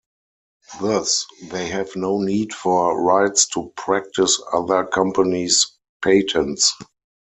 Thus, they have no need for rights to practice other companies' patents.